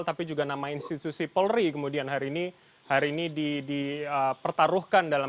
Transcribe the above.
tapi juga nama institusi polri kemudian hari ini dipertaruhkan dalam